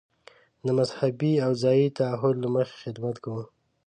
د مذهبي او ځايي تعهد له مخې خدمت کوو.